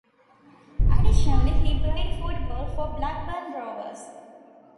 Additionally, he played football for Blackburn Rovers.